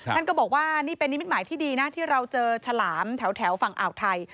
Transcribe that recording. ท่านก็บอกว่านี่เป็นนิมิตหมายที่ดีนะที่เราเจอฉลามแถวฝั่งอ่าวไทย